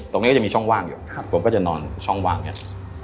ตรงนี้ก็จะมีช่องว่างอยู่ผมก็จะนอนช่องว่างเนี่ย